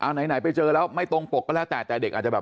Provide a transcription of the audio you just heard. เอาไหนไปเจอแล้วไม่ตรงปกก็แล้วแต่แต่เด็กอาจจะแบบ